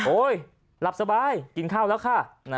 หลับสบายกินข้าวแล้วค่ะ